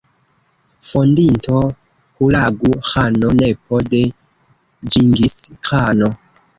Fondinto Hulagu-Ĥano, nepo de Ĝingis-Ĥano.